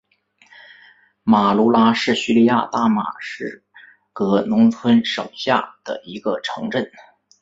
马卢拉是叙利亚大马士革农村省下的一个城镇。